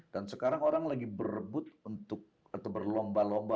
dan sekarang orang lagi berebut untuk atau berlomba lomba